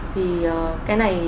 thì cái này